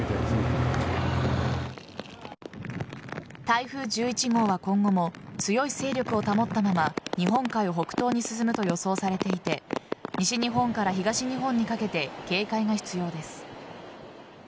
台風１１号は今後も強い勢力を保ったまま日本海を北東に進むと予想されていて西日本から東日本にかけて警戒が必要です。